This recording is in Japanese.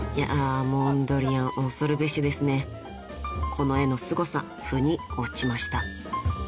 ［この絵のすごさふに落ちました］